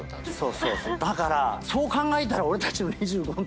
だからそう考えたら俺たちの２５のときって。